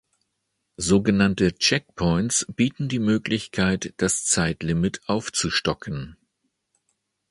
So genannte "Checkpoints" bieten die Möglichkeit, das Zeitlimit aufzustocken.